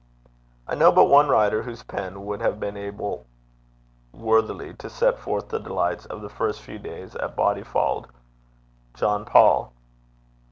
I know but one writer whose pen would have been able worthily to set forth the delights of the first few days at Bodyfauld Jean Paul.